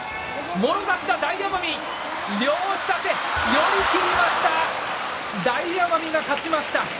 寄り切りました大奄美が勝ちました。